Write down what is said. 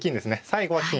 最後は金。